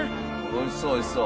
おいしそうおいしそう。